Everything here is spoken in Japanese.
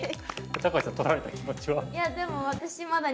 橋さん取られた気持ちは？